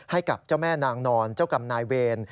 ให้กับเจ้าแม่นางนอนเจ้ากรรมนายเวร